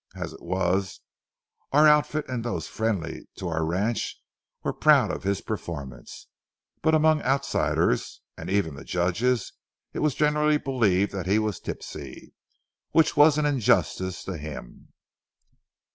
As it was, our outfit and those friendly to our ranch were proud of his performance, but among outsiders, and even the judges, it was generally believed that he was tipsy, which was an injustice to him.